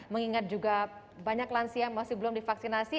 mengingat juga banyak lansia yang masih belum divaksinasi